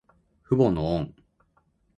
父母の恩。